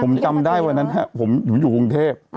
ผมจำได้วันนั้นผมอยู่กรุงเทพ